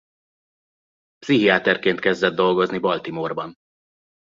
Pszichiáterként kezdett dolgozni Baltimore-ban.